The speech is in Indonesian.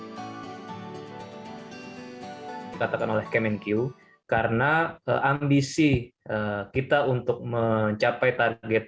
dikatakan oleh kmnq karena ambisi kita untuk mencapai target